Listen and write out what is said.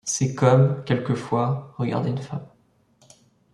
C’est comme, quelquefois, regarder une femme.